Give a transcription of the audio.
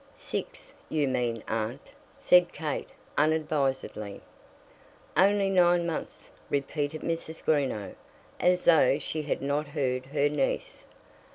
"Six, you mean, aunt," said Kate, unadvisedly. "Only nine months" repeated Mrs. Greenow, as though she had not heard her niece.